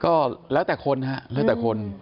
ก็แล้วแต่คนฮะแล้วแต่คน